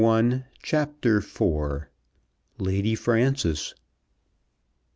CHAPTER IV. LADY FRANCES.